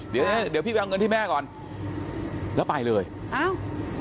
เดี๋ยวพี่ไปเอาเงินที่แม่ก่อนแล้วไปเลยอ้าว